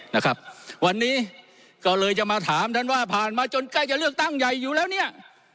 นะครับวันนี้ก็เลยจะมาถามท่านว่าผ่านมาจนใกล้จะเลือกตั้งใหญ่อยู่แล้วเนี่ย